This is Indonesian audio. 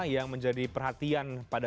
yang menjadi perhatian pada